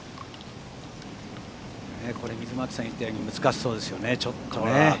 これ、水巻さん言ったように難しそうですよねちょっとね。